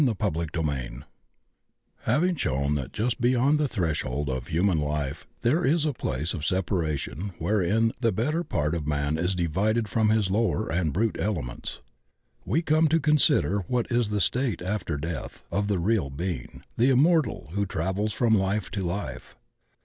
CHAPTER XIII HAVING shown that just beyond the threshold of human life there is a place of separation wherein the better part of man is divided from his lower and brute elements, we come to consider what is the state after death of the real being, the immortal who travels from life to life.